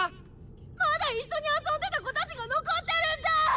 まだ一緒に遊んでた子たちが残ってるんだ！